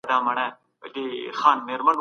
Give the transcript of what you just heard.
حضوري ټولګي به د ملګرو اړيکي پياوړې کړي.